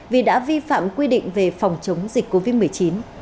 vì đã vi phạm quy định về phòng chống dịch covid một mươi chín